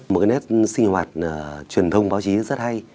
một nét sinh hoạt truyền thông báo chí rất hay